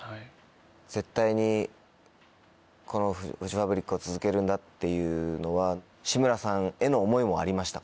絶対にこのフジファブリックを続けるんだっていうのは志村さんへの思いもありましたか？